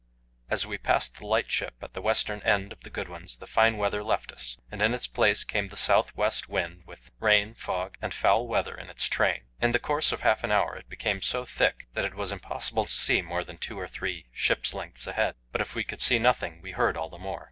As we passed the lightship at the western end of the Goodwins the fine weather left us, and in its place came the south west wind with rain, fog, and foul weather in its train. In the course of half an hour it became so thick that it was impossible to see more than two or three ship's lengths ahead; but if we could see nothing, we heard all the more.